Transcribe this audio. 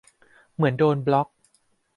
เหมือนโดนบล็อก